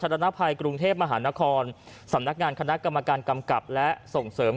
ธนภัยกรุงเทพมหานครสำนักงานคณะกรรมการกำกับและส่งเสริม